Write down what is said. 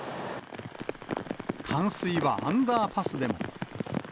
冠水はアンダーパスでも。